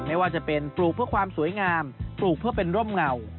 ไม่ว่าจะเป็นปลูกเพื่อความสวยงามปลูกเพื่อเป็นร่มเงา